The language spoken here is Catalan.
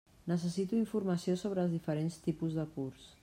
Necessito informació sobre els diferents tipus de curs.